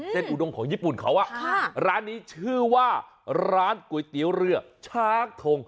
อุดงของญี่ปุ่นเขาร้านนี้ชื่อว่าร้านก๋วยเตี๋ยวเรือช้างทง